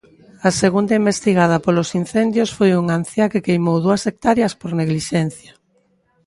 A segunda investigada polos incendios foi unha anciá que queimou dúas hectáreas por neglixencia.